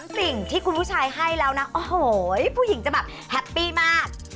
สิ่งที่คุณผู้ชายให้แล้วนะโอ้โหผู้หญิงจะแบบแฮปปี้มาก